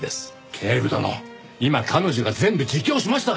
警部殿今彼女が全部自供しましたから！